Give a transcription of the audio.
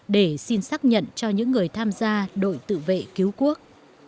để xin xác nhận cho những người tham gia đội tự vệ cứu quốc